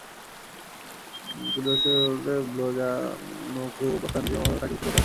কুড়ি বছর বয়স হলে ব্লো-ব্জাং-থুব-ব্স্তান-'জিগ্স-মেদ-র্গ্যা-ম্ত্শো তাকে ভিক্ষুর শপথ প্রদান করেন।